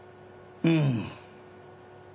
うん。